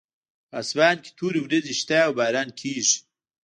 په اسمان کې تورې وریځې شته او باران کیږي